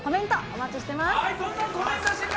お待ちしています。